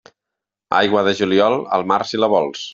Aigua de juliol, al mar si la vols.